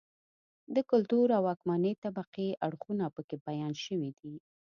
د کلتور او واکمنې طبقې اړخونه په کې بیان شوي دي.